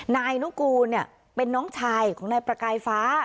นายนุกูลเป็นน้องชายของนายประกายฟ้า